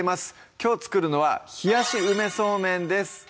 きょう作るのは「冷やし梅そうめん」です